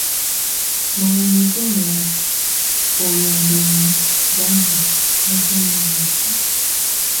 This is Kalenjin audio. mama Muchemi ak boyondenyin, Dancan Muchemi kokii